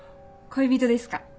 恋人ですか？